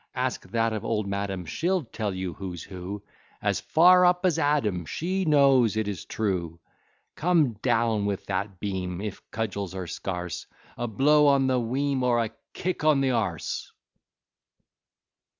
Ask that of old madam: She'll tell you who's who, As far up as Adam, She knows it is true. Come down with that beam, If cudgels are scarce, A blow on the weam, Or a kick on the a se.